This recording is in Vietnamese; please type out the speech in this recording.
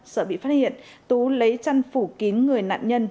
sợ bị phát hiện tú lấy chăn phủ kín người nạn nhân